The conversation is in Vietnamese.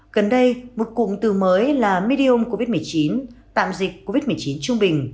gần đây một cụm từ mới là midiom covid một mươi chín tạm dịch covid một mươi chín trung bình